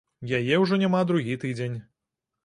Яе ўжо няма другі тыдзень.